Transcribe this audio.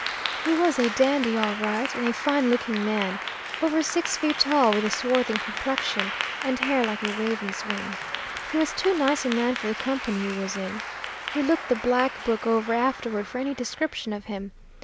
He was a dandy all right, and a fine looking man, over six feet tall, with swarthy complexion and hair like a raven's wing. He was too nice a man for the company he was in. We looked the 'Black Book' over afterward for any description of him.